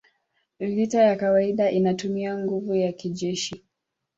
Vita ya kawaida inatumia nguvu ya kijeshi